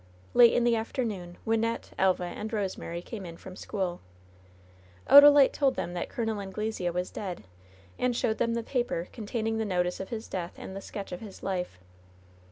Late in the afternoon Wynnette, Elva and Rosemary came in from school. Odalite told them that Col. Anglesea was dead, and showed them the paper containing the notice of his death and the sketch of his life.